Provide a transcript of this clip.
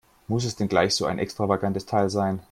Muss es denn gleich so ein extravagantes Teil sein?